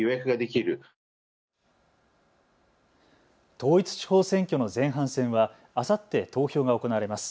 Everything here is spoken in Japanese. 統一地方選挙の前半戦はあさって投票が行われます。